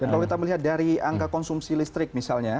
dan kalau kita melihat dari angka konsumsi listrik misalnya